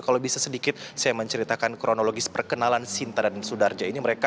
kalau bisa sedikit saya menceritakan kronologis perkenalan sinta dan sudarja ini mereka